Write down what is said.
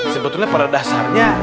sebetulnya pada dasarnya